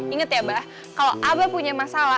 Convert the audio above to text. ingat ya mbah kalau abah punya masalah